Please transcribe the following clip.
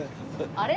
あれ？